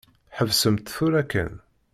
Ḥebsemt tura kan.